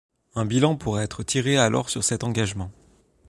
Un bilan pourra être tiré alors sur cet engagement.